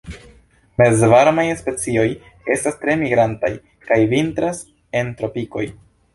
Mezvarmaj specioj estas tre migrantaj, kaj vintras en tropikoj.